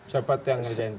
siapa yang ngerjain tuh